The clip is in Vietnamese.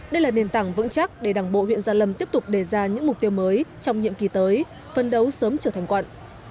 đây là nền tảng vững chắc để đảng bộ huyện gia lâm tiếp tục đề ra những mục tiêu mới trong nhiệm kỳ tới phân đấu sớm trở thành quận